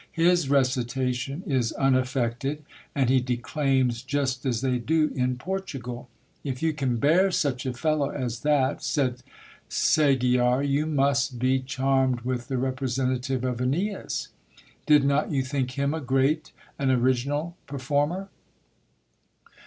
His recitation is unaffected, and he declaims just as they do in Portn gd. If you can bear such a fellow as that said Segiar, you must be charmed » ith the representative of Eneas. Did not you think him a great an original 96 GIL BLAS. performer